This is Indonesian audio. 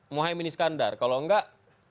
mohaimin iskandar kalau enggak